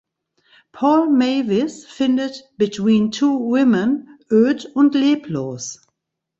Paul Mavis findet "Between Two Women" öd und leblos.